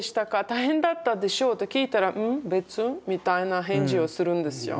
大変だったでしょう？」と聞いたら「ん？別」みたいな返事をするんですよ。